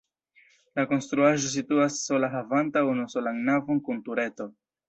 La konstruaĵo situas sola havanta unusolan navon kun tureto.